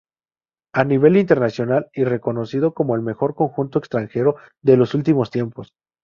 A nivel internacional y reconocido como el mejor conjunto extranjero de los últimos tiempos.